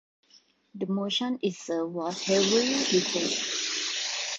The motion itself was heavily defeated.